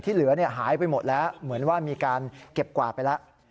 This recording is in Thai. เหลือหายไปหมดแล้วเหมือนว่ามีการเก็บกวาดไปแล้ว